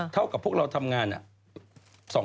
แถม่วานเลยน้อง